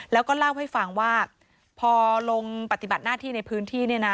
แล้วก็เล่าให้ฟังว่าพอลงปฏิบัติหน้าที่ในพื้นที่เนี่ยนะ